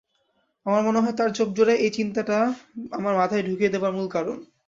আমার মনে হয় তার চোখজোড়াই এই চিন্তাটা আমার মাথায় ঢুকিয়ে দেবার মূল কারণ।